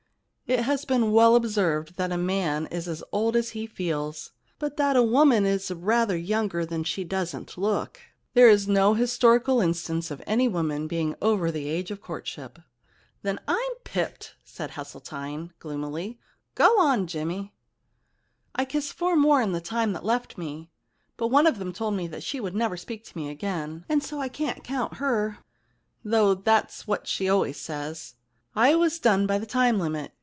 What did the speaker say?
It has been well observed that a man is as old as he feels, but that a woman is rather younger than she doesn't look. There is no historical instance of any woman being over the age of courtship.' * Then I'm pipped,' said Hesseltine gloom ily. * Go on, Jimmy.' * I kissed four more in the time left me, 27 The Problem Club but one of them told me that she would never speak to me again, and so I can't count her, though it*s what she always says. I was done by the time limit.